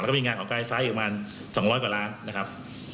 และมีงานของกายฟ้ายอีกประมาณ๒๐๐กว่าล้านนะครับ